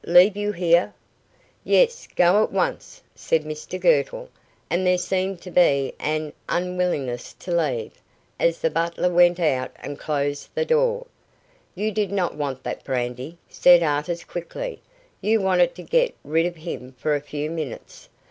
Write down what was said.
Leave you here?" "Yes, go at once," said Mr Girtle, and there seemed to be an unwillingness to leave, as the butler went out and closed the door. "You did not want that brandy," said Artis quickly. "You wanted to get rid of him for a few minutes.